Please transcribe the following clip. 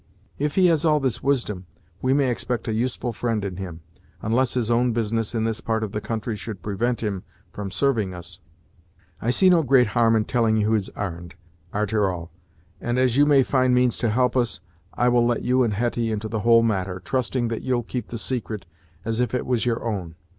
"If he has all this wisdom, we may expect a useful friend in him, unless his own business in this part of the country should prevent him from serving us." "I see no great harm in telling you his arr'nd, a'ter all, and, as you may find means to help us, I will let you and Hetty into the whole matter, trusting that you'll keep the secret as if it was your own.